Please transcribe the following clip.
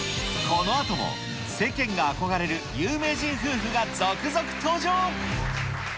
このあとも、世間が憧れる有名人夫婦が続々登場。